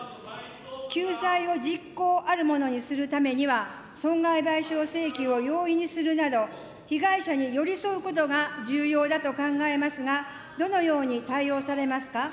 救済を実効あるものにするためには、損害賠償請求を容易にするなど、被害者に寄り添うことが重要だと考えますが、どのように対応されますか。